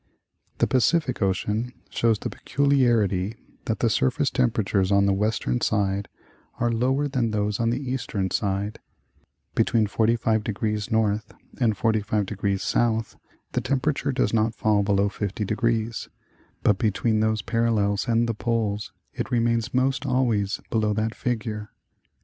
The Pacific Ocean shows the peculiarity that the surface tem peratures on the western side are lower than those on the eastern side. Between 45° N. and 45° S. the temperature does not fall below 50°, but between those parallels and the poles it remains most always below that figure.